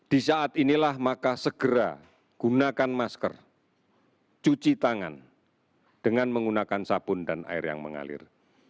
di saat inilah maka segera gunakan masker cuci tangan dengan menggunakan sabun dan air yang mengalir